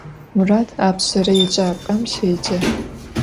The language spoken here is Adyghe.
Murat apşsere yêcap'em şêce.